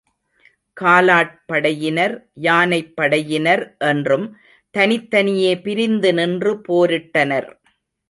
காலாட்படையினர், யானைப்படையினர் என்றும் தனித்தனியே பிரிந்து நின்று போரிட்டனர்.